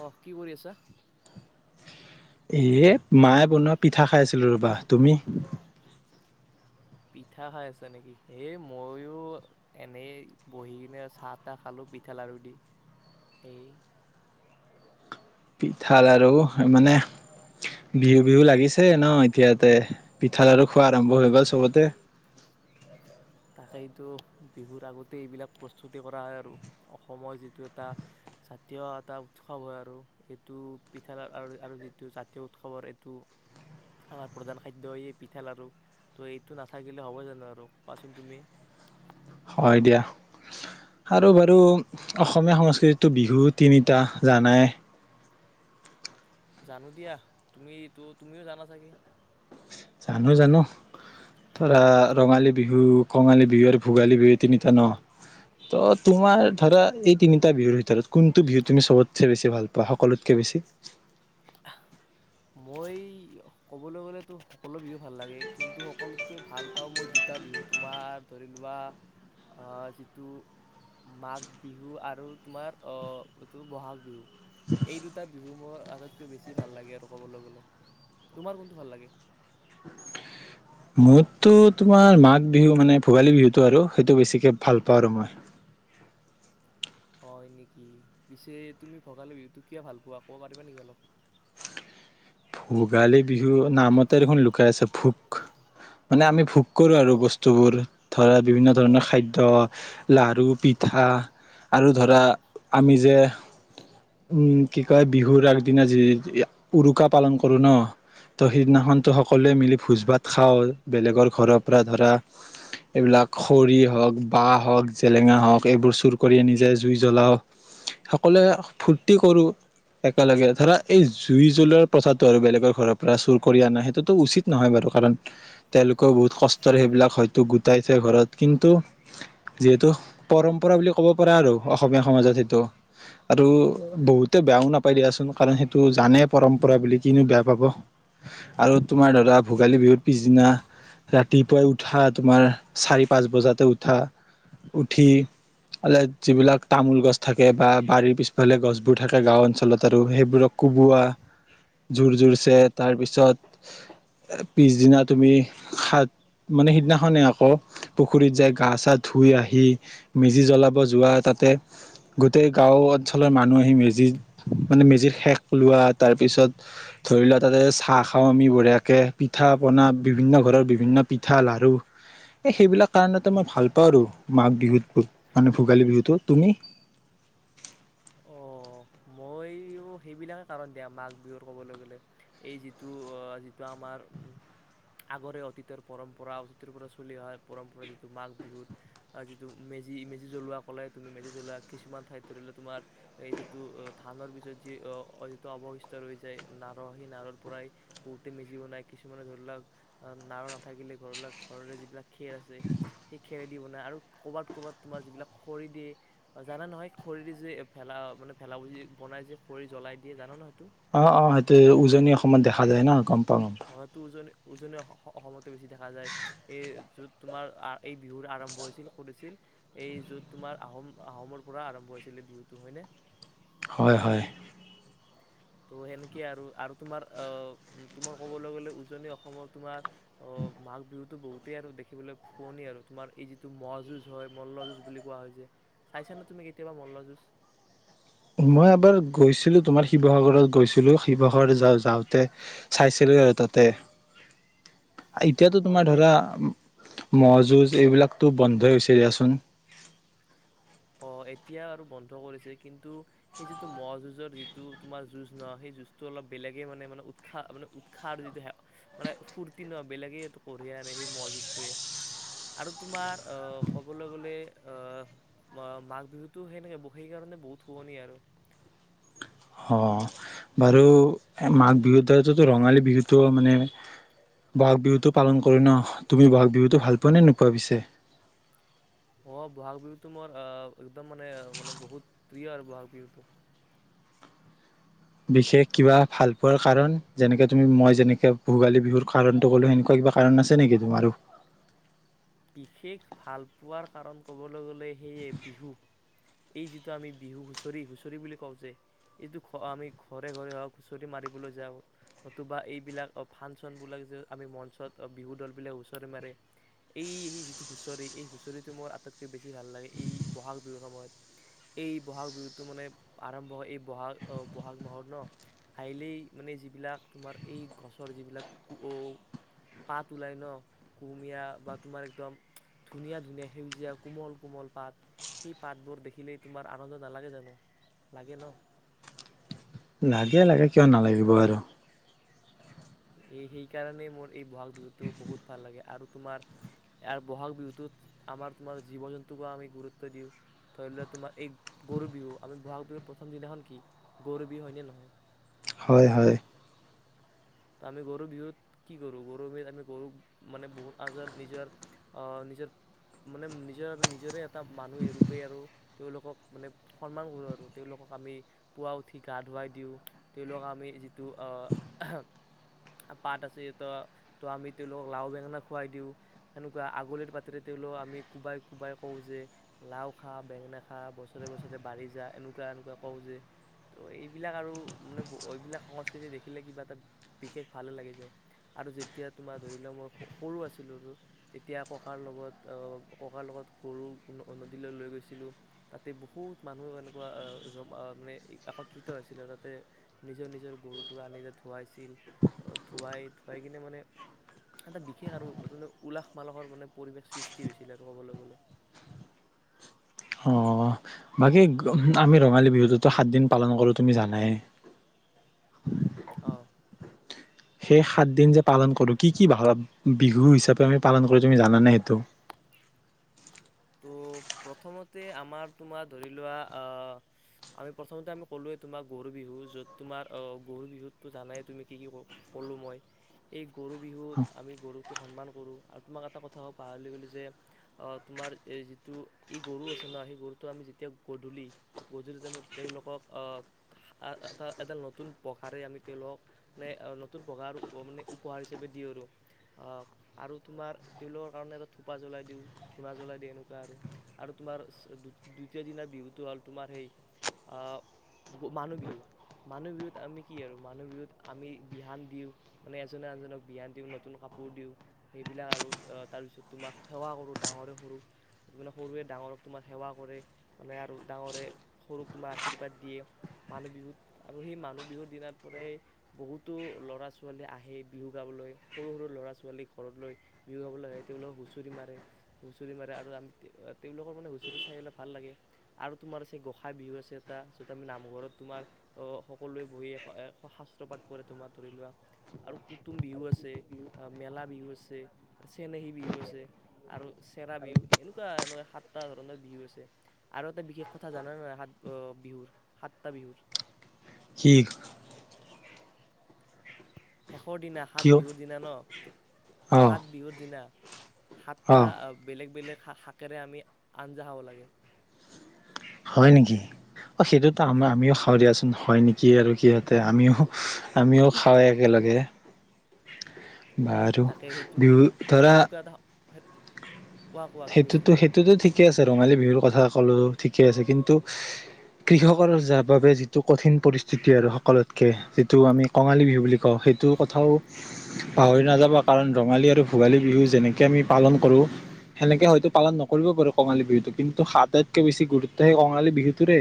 আহ কি কৰি আছা? এ মায়ে বনোৱা পিঠা খাই আছিলো ৰবা তুমি পিঠা খাই আছ নেকি এই ময়ো এনেই বহি কিনে চাহ তাহ খালো পিঠা লাাৰু দি সেই পিঠা লাৰ়ু মানে বিহু বিহু লাগিছে ন এতিয়া তে পিঠা লাৰ়ু খোৱা আৰম্ভ হৈ গ'ল চবতে তাকে সটো বিহুৰ আগতে এইবিলাক প্ৰস্তুতি কৰা হয় আৰু, অসমৰ যিটো এটা জাতীয় এটা উৎসৱ হয় আৰু, এইটো পিঠাল আৰু যিটো জাতীয় উৎসৱৰ এইটো আমাৰ প্ৰধান খাদ্য পিঠা লাাৰ়ু ত এইটো নাথাকিলে হ'ব জানো আৰু পকোৱা চোন তুমি হয় দিয়া আৰু বাৰু অসমীয়া সংস্কৃতিো বিহু তিনিটা জানাই জানো দিয়া তুমি ইটো তুমিও জানা চাগে জানো জানো, ধৰা ৰঙালী বিহু কঙালী বিহু আৰু ভোগালী বিহু তিনিটা ন ত তোমাৰ ধৰা এই তিনিটা বিহুৰ ভিতৰত কোনটো বিহু তুমি চবতছে বেছি ভাল পোৱা সকলোতকে বেছি মই ক'বলৈ গ'লেতো সকলো বিহু ভাল লাগে কিন্তু সকলোতকৈ ভাল পাওঁ মই দুটা বিহু তোমাৰ ধৰি লোৱা যিটো মাঘ বিহু আৰু তোমাৰ এইটো বহাগ বিহু এই দুটা বিহু মোৰ আটাইতকৈ বেছি ভাল লাগে আৰু কবলে গলে, তোমাৰ কোনটো ভাল লাগে? মোৰতো তোমাৰ মাঘ বিহু মানে ভোগালী বিহুতটো আৰু সেইটো বেছিকে ভাল পাওঁ আৰু মই হয় নেকি পিছে তুমি ভগালী বিহুতটো কিয় ভাল পোৱা ক'ব পাৰিবা নেকি অলপ? ভোগালী বিহু নামতে দেখোন লুকাই আছে ভোক মানে আমি ভোক কৰোঁ আৰু অঁ বস্তুবোৰ ধৰা বিভিন্ন ধৰণৰ অঁ অঁ খাদ্য লাৰু পিঠা আৰু ধৰা আমি যে উম কি কয় বিহুৰ আগদিনা যি উৰুকা পালন কৰো ন ত সেইদিনাখনতো সকলোৱে মিলি ভোজ ভাত খাও বেলেগৰ ঘৰৰ পৰা ধৰা এইবিলাক খৰি হওক বাহ হওঁক জেলেঙা হওক এইবোৰ চুৰ কৰি আ নিজে জুই জ্বলাও সকলোৱে ফূুৰ্তি কৰো একেলগে ধৰা এই জুই জলাৰ প্ৰথাটো আৰু বেলেগৰ ঘৰৰ পৰা চুৰ কৰি আনা সেইটোতো উচিত নহয় বাৰু, কাৰণ তেওঁলোকেও বহুত কষ্টৰে সেইবিলাক হয়তো গোটাইছে ঘৰত কিন্তু যিহেতু পৰম্পৰা বুলি ক'ব পৰা আৰু অসমীয়া সমাজত সেইটো আৰু বহুতে বেয়াও নাপাই দিয়াচোন কাৰণ সেইটো জানে পৰম্পৰা বুলি কিনো বেয়া পাব আৰু তোমাৰ ধৰা ভোগালী বিহুত পিছদিনা ৰাতিপুৱাই উঠা তোমাৰ চাৰি পাঁচ বজাতে উঠা উঠি অ যিবিলাক তামোল গছ থাকে বা বাৰীৰ পিছ লে গছবোৰ থাকে গাঁও অঞ্চলত আৰু সেইবোৰক কোবোৱা, জোৰ জোৰছে তাৰপিছত পিছদিনা তুমি সাত মানে সিদিনাখনেই আকৌ পুখুৰীত যাই গা চা ধুই আহি মেজি জ্বলাব যোৱা তাতে গোটেই গাঁৱত অঞ্চলৰ মানুহ আহি মেজিত মানে মেজিত শেষ লোৱা তাৰ পিছত ধৰি লোৱা তাতে চাহ খাওঁ আমি বঢ়িয়াকে পিঠা পনা বিভিন্ন ঘৰৰ বিভিন্ন পিঠা লাৰু এই সেইবিলাক কাৰণতে মই ভাল পাওঁ আৰু মাঘ বিহুত মানে ভোগালী বিহুটো তুমি? সেইবিলাক কাৰণ দিয়া মাঘ বিহুৰ কবলৈ গ'লে এই যিটো অ যিটো আমাৰ আগৰে অতীতৰ পৰম্পৰা অতীতৰ পৰা চলি অহা পৰম্পৰা যিটো মাঘ বিহুত আহ যিটো মেজি মেজি জ্বলোৱা কলে তুমি মেজি জ্বলোৱা কিছুমান ঠাইত ধৰিলে তোমাৰ এই যিটো ধানৰ পিছত যি অ অ য অৱশিষ্ট ৰৈ যায় নাৰ সেই নাৰৰ পৰাই বহুতে মেজি বনাই কিছুমানে ধৰি লওক নাৰ নাথাকিলে ধৰি ল ঘৰৰে যিবিলাক খেল আছে সেই খে খেৰেদি বনায় আৰু ক'ৰবাত ক'ৰবাত তোমাৰ যিবিলাক খৰি দিয়ে জানা নহয় খৰিদি যে ভেলা মানে ভেলাভূজি বনাই যে কৰি জ্বলাই দিয়ে জান নহয়? অ' অ' সেইটো উজনি অসমত দেখা যায় না গম পাওঁ গম পাওঁ অ' তোজ উজনি অসমতে বেছি দেখা যায় এই য'ত তোমাৰ এই বিহুৰ আৰম্ভ হৈছিল কৰিছিল এই য'ত তোমাৰ আহোম আহোমৰ পৰা আৰম্ভ হৈছিল এই বিহুটো হয়নে হয় হয়। ত' সেনেকেই আৰু আৰু তোমাৰ অহ তোমাৰ কবলৈ গলে উজনি অসমৰ তোমাৰ অহ মাঘ বিহুতো বহুতেই আৰু দেখিবলৈ শুৱনি আৰু তোমাৰ এই যিটো ম যুঁজ হয় মল্ল যুঁজ বুলি কোৱা হয় যে, চাইছাানে তুমি কেতিয়াবা মল্লযুঁজ? মই এবাৰ গৈছিলো। তোমাৰ শিৱসাগৰত গৈছিলো শিৱসাগৰত যা যাওঁতে চাইছিলো। আৰু তাতে এতিয়াতো তোমাৰ হয়নে ধৰা ম'হ যুঁজ এইবিলাকতো বন্ধই হৈছে। দিয়াচোন অ' এতিয়া আৰু বন্ধ কৰিছে কিন্তু সেই যিটো ম'হ যুঁজৰ যিটো তোমাৰ যুঁজ নহয়। সেই যুঁজটো অলপ বেলেগে মানে মে উৎসাহ মানে উৎসাহ যিটো মানে ফূুৰ্তি নহয় বেলেগে এইটো কঢ়িয়াই আনে সেই ম'হ যুজটয়ে আৰু তোমাৰ আহ ক'বলৈ গলে আহ মাঘ বিহুতটো সেনেকে সেইকাৰণে বহুত শুৱনি আৰু অ' বাৰু মাঘ বিহুতে টোতো ৰঙালী বিহুটো মানে বহাগ বিহুটো পালন কৰোঁ‌ ন তুমি বহাগ বিহুটো ভাল পোৱা নে নোপোৱা পিছে? অ' ব'হাগ বিহুতটো মোৰ একদম মানে মানে বহুত প্ৰিয় আৰু ব'হাগ বিহুটো। বিশেষ কিবা ভাল পোৱাৰ কাৰণ যেনেকে তুমি মই যেনেকে ভোগালী বিহুৰ কাৰণটো ক'লো সেনেকুৱা কিবা কাৰণ আছে নেকি তোমাৰো? বিশেষ ভাল পোৱাৰ কাৰণ ক'বলৈ গ'লে সেয়ে বিহু এই যিটো আমি বিহু হুঁচৰি হুঁচৰি বুলি কওঁ যে এইটো আমি ঘৰে ঘৰে হওঁ‌ক হুঁচৰি মাৰিবলৈ যাওঁ। নতুবা এইবিলাক ফাংচনবিলাক যে আমি মঞ্চত বিহু দলবিলাক হুঁচৰি মাৰে। এই যিটো হুঁচৰি এই হুঁচৰিটো মোৰ আটাইতকৈ বেছি। বেছি ভাল লাগে এই বহাগ বিহুৰ সময়ত। এই বহাগ বিহুটো মানে আৰম্ভ হয় এই বহাগ বহাগ মাহত ন হাইলেই মানে যিবিলাক তোমাৰ এই গছৰ যিবিলাক ক পাত ওলাই ন কুহুমীয়া বা তোমাৰ একদম ধুনীয়া ধুনীয়া সেউজীয়া কোমল কোমল পাত সেই পাতবোৰ দেখিলেই তোমাৰ আনন্দ নালাগে জানো লাগে ন? লাগে লাগে কিয় নালাগিব আৰু এই সেইকাৰণেই মোৰ এই বহাগ বিহুটো বহুত ভাল লাগে আৰু তোমাৰ ব'হাগ বিহুটোত আমাৰ তোমাৰ জীৱ জন্তুকো আমি গুৰুত্ব দিওঁ ধৰি লওঁ‌ তোমাৰ এই গৰু বিহু আমি ব'হাগ বিহুৰত প্ৰথম দিনাখন কি গৰু বিহু হয়নে নহয়? হয় হয় ত আমি গৰু বিহুত কি কৰো গৰু বিহুত আমি গৰু মানে বহুত আজাৰ নিজৰ আহ নিজৰ মানে নিজৰ আৰু নিজৰে মানুহে ৰূপে আৰু তেওঁলোকক মানে সন্মান কৰোঁ আৰু তেওঁলোকক আমি পুৱা উঠি গা ধুৱাই দিওঁ তেওঁলোকক আমি যিটো আহ পাত আছে ত' আমি তেওঁলোকক লাও বেঙেনা খুৱাই দিওঁ। সেনেকুৱা আগলিৰ পাতেৰে তেওঁলোক আমি কোবাই কোবাই কওঁ যে লাও খা বেঙেনা খা বছৰে বছৰে বাঢ়ি যা। এনেকুৱা এনেকুৱা কওঁ যে ত এইবিলাক আৰু মানে এইবিলাক সংস্কৃতি দেখিলে কিবা এটা বিশেষ ভালে লাগি যায় আৰু যেতিয়া তোমাৰ ধৰি লোৱা মই সৰু আছিলো আৰু তেতিয়া ককাৰ লগত আহ ককাৰ লগত গৰু নদীলৈ লৈ গৈছিলো তাতে বহুত মানুহ এনেকুৱা মানে একত্ৰিত হৈছিলে আৰু তাতে নিজৰ নিজৰ গৰুটোক আনি ধুৱাইছিল। ধোৱাই ধোৱাই কিনে মানে এটা বিশেষ আৰুানে উলাহ মালাহৰ মানে পৰিৱেশ সৃষ্টি হৈছিল আৰু ক'বলৈ গ'লে। অ বাকী আমি ৰঙালী বিহুটোতো সাত দিন পালন কৰোঁ‌ তুমি জানাই অ' সেই সাত দিন যে পালন কৰো কি কি ভাল বিহু হিচাপে আমি পালন কৰো তুমি জানানে সেইটো ত' প্ৰথমতে আমাৰ তোমাৰ ধৰি লোৱা আমি প্ৰথমতে আমি ক'লোৱৱেই তোমাৰ গৰু বিহু য'ত তোমাৰ গৰু বিহুতো জানাই তুমি কি কি ক'লোঁ মই এই গৰু বিহুত আমি গৰুটো সন্মান কৰোঁ আৰু তোমাক এটা কথা পাহৰি গলো যে অ' তোমাৰ এই যিটো ই গৰু আছে ন সেই গৰুটো আমি যেতিয়া গধূলি গধূলি টাইমত তেওঁলোকক আহ এটা এডাল নতুন পঘাৰে আমি তেওঁলোকক মে নতুন পঘাৰ মানে উপহাৰ হিচাপে দি আৰু আহ আৰু তোমাৰ তেওঁলোকৰ কাৰণে এটা থোপা জ্বলাই দিওঁ ধূনা জ্বলাই দি এনেকুৱা আৰু আৰু তোমাৰ দ্বিতীয় দিনৰ বিহুটো হ'ল তোমাৰ সেই মানুহ বিহু মানুহ বিহুত আমি কি আৰু মানুহ বিহুত আমি বিহান দিওঁ মানে এজনে আনজনক বিহান দিওঁ নতুন কাপোৰ দিওঁ সেইবিলাক আৰু তাৰপিছত তোমাৰ সেৱা কৰোঁ ডাঙৰে সৰু সৰুৱে ডাঙৰক তোমাৰ সেৱা কৰে মানে আৰু ডাঙৰে সৰুক তোমাক আশীৰ্বাদ দিয়ে মানুহ বিহুত আৰু সেই মানুহ বিহুৰ দিনাৰ পৰাই বহুতো ল'ৰা ছোৱালী আহে বিহু গাবলৈ সৰু সৰু ল'ৰা ছোৱালী ঘৰ লৈ বিহু গাবলৈ আহে তেওঁলোকক হুঁচৰি মাৰে হুঁচৰি মাৰে আৰু আৰু আমি তেওঁলোকৰ মানে হুঁচৰি চাই পেলাই ভাল লাগে আৰু তোমাৰ আছে গোঁখাই বিহু আছে এটা য'ত আমি নামঘৰত তোমাৰ সকলোৱে বহি শাস্ত্ৰপাাত কৰে তোমাৰ ধৰি লোৱা আৰু কুটুম বিহু আছে মেলা বিহু আছে চেনেহী বিহু আছে আৰু চেৰা বিহু এনেকুৱা সাতটা ধৰণৰ বিহু আছে আৰু এটা বিশেষ কথা জানা নহয় সাত বিহুৰ সাতটা বিহুৰ [unintelligible] হাতৰ দিনা সাত কিয় বিহুৰ দিনা ন অ সাত বিহুৰ দিনা অ সাতটা বেলেগ বেলেগ শ শাকেৰে আমি আঞ্জা খাব লাগে হয় নেকি অ সেইটোত তো আমাৰ আমও অঁ খাও দিয়াচোন হয় নেকি কি আৰু কি সহঁতে আমিও আমিও খাওঁ একেলগে বা আৰু বিহুত ধৰা হাত সেইটোতো সেইটোতো ঠিক ঠিক ৰঙালী বিহুৰ কথা ক'লো ঠিক ঠিকে আছে কিন্তু অঁ কৃষকৰ যাৰ বাবে যিটো কঠিন পৰিস্থিতি আৰু সকলোতকে যিটো আমি কঙালী বিহু বুলি কওঁ সেইটো কথাও পাহৰি নাযাব কাৰণ ৰঙালী আৰু ভোগালী বিহু যেনেকে আমি পালন কৰোঁ সেনেকে হয়তো পালন নকব পাৰো কঙালী বিহুতটো কিন্তু আটাইতকৈ বেছি গুৰুত্ব সেই কঙালী বিহুটোৰে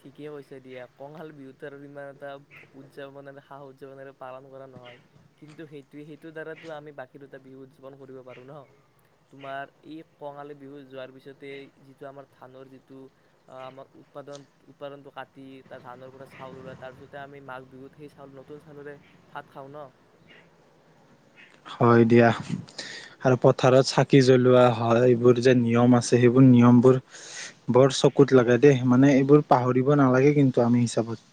ঠিকেই কৈছে দিয়া কঙালী বিহুত আৰু ইমান এটা উদযাপন সা উদযাপনেৰে পালন কৰা নহয় কিন্তু সেইটোোৱে সেইটোৰ দ্বাৰাতটো আমি বাকী দুটা বিহু উদযাপন কৰিব পাৰো ন তোমাৰ এই কঙালী বিহু যোৱাৰ পিছতে যিটো আমাৰ ধানৰ যিটো আমাৰ উৎপাদন উৎপাদনটো কাটি তাৰ ধানৰ পৰা চাউল ওলাই তাৰ পিছতে আমি মাঘ বিহুত সেই চাউল নতুন চাউৰে ভাত খাওঁ ন হয় দিয়া আৰু পথাৰত চাকি জ্বলোৱা হয় এইবোৰ যে নিয়ম আছে সেইবোৰ নিয়মবোৰ বৰ চকুত লাগে দেই মানে এইবোৰ পাহৰিব নালাগে কিন্তু আমি হিচাপত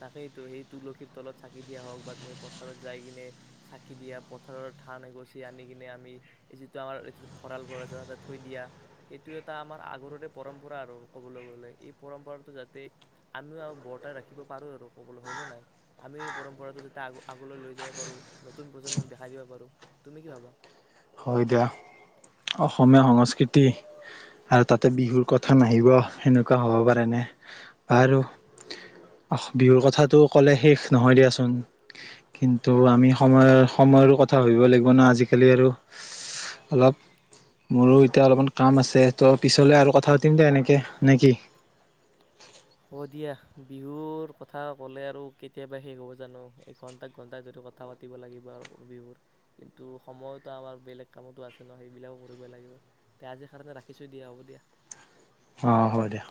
তাকেইটো সেই তুলসীৰ তলত চাকি দিয়া হওঁক বা তুমি পথাৰত যাই কিনে চাকি দিয়া পথাৰত ধান এগচি আনি কিনে আমি যিটো আমাৰ ভঁৰাল ঘৰ আছে তাতে থৈ দিয়া সেইটো এটা আমাৰ আগৰৰে পৰম্পৰা আৰু ক'বলৈ গ'লে এই পৰম্পৰাটো যাতে আমিও আৰু বৰ্তাই ৰাখি শিকিব পাৰোঁ আৰু ক'বলৈ হয়নে নাই আমিও এই পৰম্পৰাটো যাতে আগ আগলৈ লৈ যাব পাৰোঁ নতুন প্ৰজন্মক দেখাই দিব পাৰোঁ তুমি কি ভাবা হয় দিয়া অসমীয়া সংস্কৃতি আৰু তাতে বিহুৰ কথা নাহিব সেনেকুৱা হ'ব পাৰেনে বাৰু বিহুৰ কথাটো ক'লে শেষ নহয় দিয়াচোন কিন্তু আমি সময়ৰ সময়ৰো কথা ভাবিব লাগিব ন আজিকালি আৰু অলপ মোৰো এতিয়া অলপমান কাম আছে ত' পিছলে আৰু কথা পাতিম দে এনেকে নে কি? হ'ব দিয়া বিহুৰ কথা ক'লে আৰু কেতিয়াবা শেষ হ'ব জানো এঘন্টা এক ঘণ্টাাই ধ কথা পাতিব লাগিব আৰু বিহুৰ কিন্তু সময়তো আমাৰ বেলেগ কামতো আছে ন সেইবিলাকো কৰিব লাগিব আজিৰ কাৰণে ৰাখিছোঁ দিয়া হ'ব দিয়া অঁ হ'ব দিয়া